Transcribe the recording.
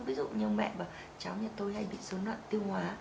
ví dụ như mẹ bảo cháu như tôi hay bị số nạn tiêu hóa